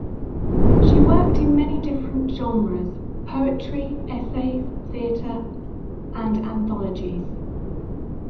She worked in many different genres: poetry, essays, theater, and anthologies.